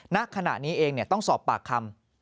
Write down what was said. นักขณะนี้เองเนี่ยต้องสอบปากคำ